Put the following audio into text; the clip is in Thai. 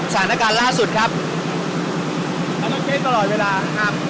สถานการณ์ล่าสุดครับต้องเช็คตลอดเวลาครับ